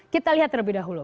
kita lihat terlebih dahulu